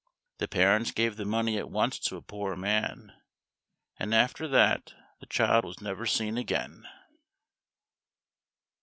The parents gave the money at once to a poor man, and after that the child was never seen again.